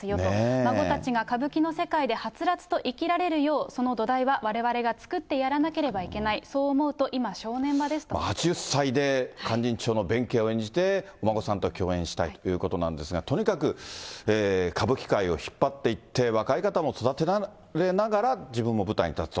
孫たちが歌舞伎の世界ではつらつと生きられるよう、その土台はわれわれが作ってやらなければいけない、そう思うと、８０歳で勧進帳の弁慶を演じて、お孫さんと共演したいということなんですが、とにかく歌舞伎界を引っ張っていって、若い方も育てられながら、自分も舞台に立つと。